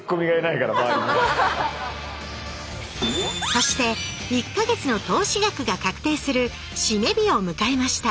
そして１か月の投資額が確定する締め日を迎えました。